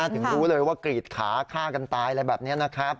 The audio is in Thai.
ถึงรู้เลยว่ากรีดขาฆ่ากันตายอะไรแบบนี้นะครับ